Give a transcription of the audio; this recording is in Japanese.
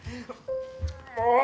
もう！